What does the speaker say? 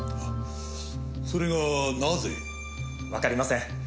それがなぜ？わかりません。